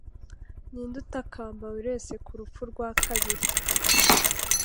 Ninde utakamba buri wese ku rupfu rwa kabiri